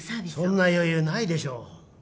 そんな余裕ないでしょう。